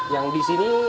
yang di sini